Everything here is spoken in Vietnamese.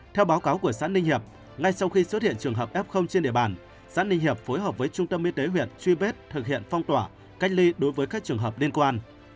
theo báo cáo của xã ninh hiệp ngay sau khi xuất hiện trường hợp f trên địa bàn xã ninh hiệp phối hợp với trung tâm y tế huyện truy vết thực hiện phong tỏa cách ly đối với các trường hợp liên quan